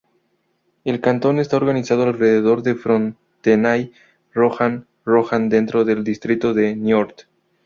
El cantón está organizado alrededor de Frontenay-Rohan-Rohan dentro del Distrito de Niort.